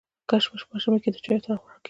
کشمش په ژمي کي د چايو سره خوړل کيږي.